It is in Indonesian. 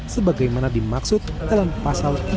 sebagaimana dimaksud dalam pasal tiga ratus lima puluh sembilan kuhp